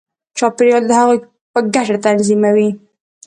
چاپېریال د هغوی په ګټه تنظیموي.